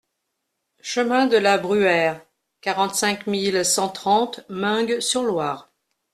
Chemin de la Bruère, quarante-cinq mille cent trente Meung-sur-Loire